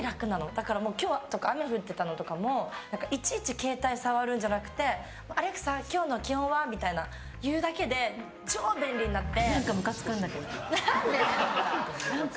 だから今日雨降っていたのかというのもいちいち携帯触るんじゃなくてアレクサ、今日の気温は？って言うだけで超便利になって。